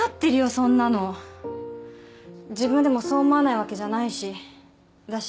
そんなの自分でもそう思わないわけじゃないしだし